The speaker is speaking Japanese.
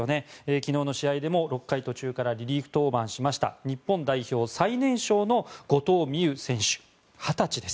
昨日の試合でも６回途中からリリーフ登板しました日本代表、最年少の後藤希友投手２０歳です。